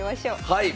はい！